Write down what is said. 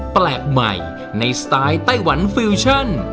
แปลกใหม่ในสไตล์ไต้หวันฟิวชั่น